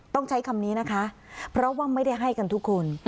ต้องใช้คำนี้นะคะเพราะว่าไม่ได้ให้กันทุกคน